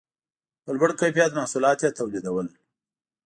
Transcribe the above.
په لوړ کیفیت محصولات یې تولیدول